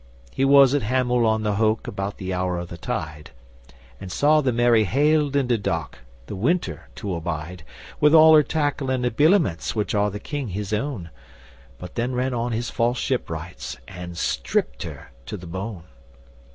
He was at Hamull on the Hoke about the hour of the tide, And saw the MARY haled into dock, the winter to abide, With all her tackle and habiliments which are the King his own; But then ran on his false shipwrights and stripped her to the bone.